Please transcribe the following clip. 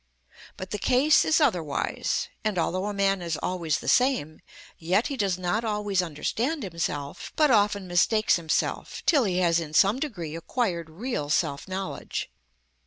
But the case is otherwise, and although a man is always the same, yet he does not always understand himself, but often mistakes himself, till he has in some degree acquired real self knowledge.